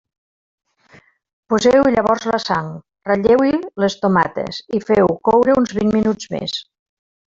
Poseu-hi llavors la sang, ratlleu-hi les tomates i feu-ho coure uns vint minuts més.